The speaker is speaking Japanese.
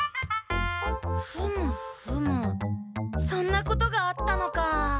ふむふむそんなことがあったのか。